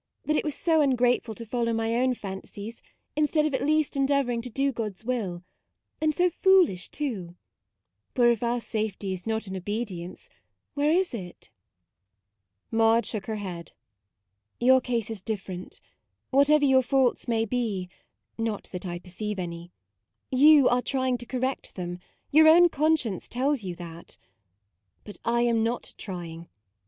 that it was so ungrateful to follow my own fancies, instead of at least endeavour ing to do God's will ; and so foolish, too ; for if our safety is not in obedience, where is it ?" 72 MAUDE Maude shook her head : u Your case is different. Whatever your faults may be (not that I perceive any), you are trying to correct them; your own conscience tells you that. But I am not trying.